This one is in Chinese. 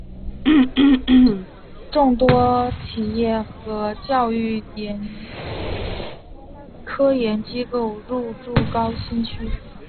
众多企业和教育科研机构入驻高新区。